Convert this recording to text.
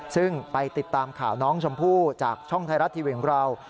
ซึ่งไปติดตามข่าวน้องชมพู่จากช่องไทยรัฐทีวีของเรา